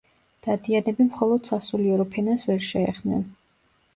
დადიანები მხოლოდ სასულიერო ფენას ვერ შეეხნენ.